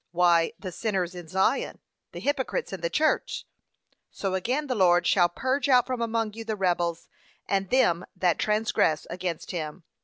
why, the sinners in Zion, the hypocrites in the church. So again the Lord shall 'purge out from among you the rebels, and them that transgress against him.'